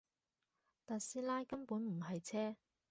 特斯拉根本唔係車